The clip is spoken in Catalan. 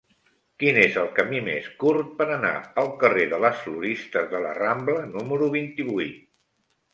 Quin és el camí més curt per anar al carrer de les Floristes de la Rambla número vint-i-vuit?